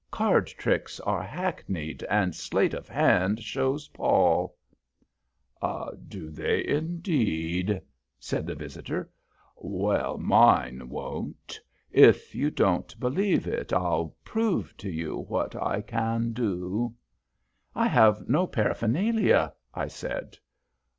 Card tricks are hackneyed, and sleight of hand shows pall." "Do they, indeed?" said the visitor. "Well, mine won't. If you don't believe it, I'll prove to you what I can do." "I have no paraphernalia," I said.